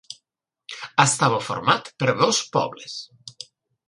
Estava format per dos pobles.